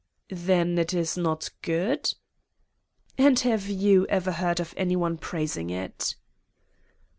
"Then it is not good?" "And have you ever heard of any one praising it?"